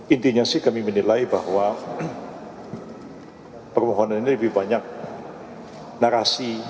intinya sih kami menilai bahwa permohonan ini lebih banyak narasi